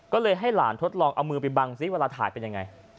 ก็เลยให้หลานทดลองเอามือไปบังซิเวลาถ่ายเป็นยังไง